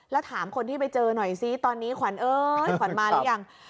แล้วถามคนที่ไปเจอหน่อยซิตอนนี้ขวัญเอ้ยขวัญมาหรือยัง